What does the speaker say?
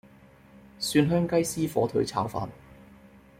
蒜香雞絲火腿炒飯